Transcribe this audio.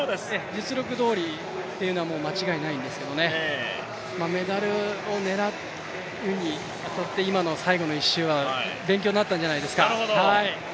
実力どおりというのは間違いないんですけどメダルを狙うにあたって今の最後の１周は勉強になったんじゃないですか。